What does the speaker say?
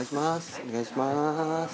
お願いします。